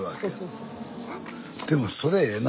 でもそれええな。